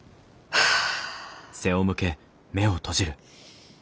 はあ。